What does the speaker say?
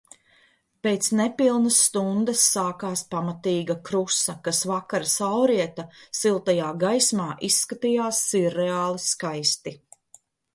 Pēc nepilnas stundas sākās pamatīga krusa, kas vakara saulrieta siltajā gaismā izskatījās sirreāli skaisti.